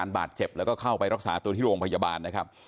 บาดเจ็บแล้วก็เข้าไปรักษาตัวที่โรงพยาบาลนะครับ